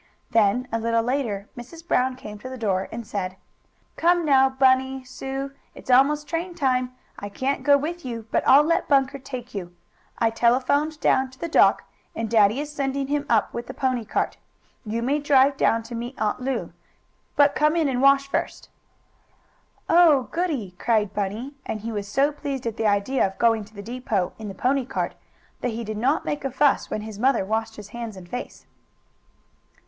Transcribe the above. Then, a little later, Mrs. Brown came to the door and said: "Come now, Bunny Sue! It's almost train time. I can't go with you, but I'll let Bunker take you. I telephoned down to the dock, and daddy is sending him up with the pony cart. You may drive down to meet Aunt Lu. But come in and wash first!" "Oh, goodie!" cried Bunny, and he was so pleased at the idea of going to the depot in the pony cart that he did not make a fuss when his mother washed his hands and face.